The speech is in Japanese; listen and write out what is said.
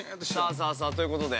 さあさあ、ということで。